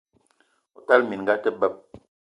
O tala minga a te beb!